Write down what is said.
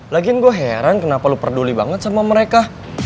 lagian gue heran kenapa lo peduli banget sama mereka